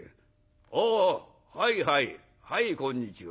ああはいはいはいこんにちは。